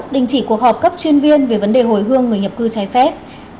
đình chỉ cuộc họp cấp chuyên viên về vấn đề hồi hương người nhập cư trái phép